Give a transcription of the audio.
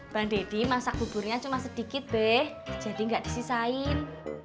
bang deddy masak buburnya cuma sedikit deh jadi nggak disisain